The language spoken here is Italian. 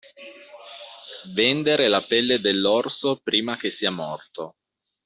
Vendere la pelle dell'orso prima che sia morto.